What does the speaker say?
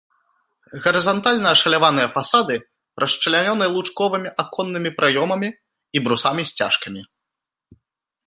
Гарызантальна ашаляваныя фасады расчлянёны лучковымі аконнымі праёмамі і брусамі-сцяжкамі.